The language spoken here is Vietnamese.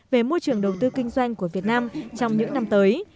về môi trường đầu tư kinh doanh của việt nam trong những năm tới